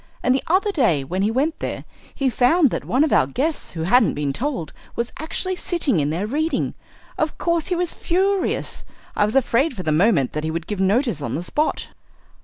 And the other day when he went there he found that one of our guests who hadn't been told, was actually sitting in there reading. Of course he was furious. I was afraid for the moment that he would give notice on the spot."